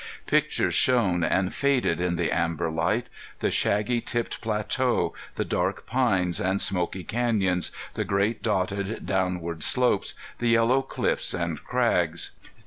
Pictures shone and faded in the amber light the shaggy tipped plateau, the dark pines and smoky canyons, the great dotted downward slopes, the yellow cliffs and crags.